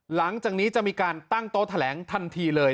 หลังจากนี้จะมีการตั้งโต๊ะแถลงทันทีเลย